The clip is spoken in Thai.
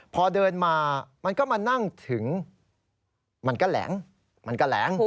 พอเดินมามันก็มานั่งถึงมันก็แหลงมันก็แหลง